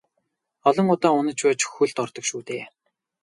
Олон удаа унаж байж хөлд ордог шүү дээ.